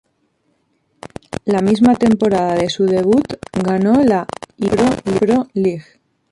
La misma temporada de su debut ganó la Iran Pro League.